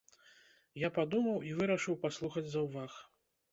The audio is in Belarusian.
Я падумаў і вырашыў паслухаць заўваг.